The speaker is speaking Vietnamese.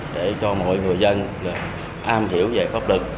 để cho mọi người dân am hiểu về pháp lực